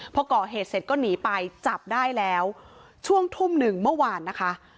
พอก่อเหตุเสร็จก็หนีไปจับได้แล้วช่วงทุ่มหนึ่งเมื่อวานนะคะ